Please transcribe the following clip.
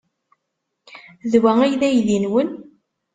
D wa ay d aydi-nwen?